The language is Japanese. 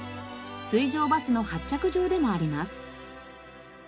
水上バスの発着場でもあります。